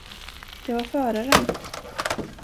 Det var föraren!